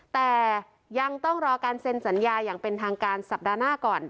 แต่ยังต้องรอการเซ็นสัญญาอย่างเป็นทางการสัปดาห์หน้าก่อน